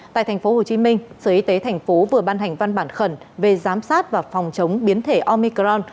tại tp hcm sở y tế thành phố vừa ban hành văn bản khẩn về giám sát và phòng chống biến thể omicron